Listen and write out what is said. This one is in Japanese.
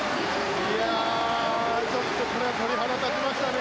ちょっとこれは鳥肌立ちましたね。